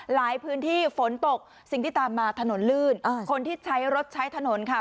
หลายพื้นที่ฝนตกสิ่งที่ตามมาถนนลื่นคนที่ใช้รถใช้ถนนค่ะ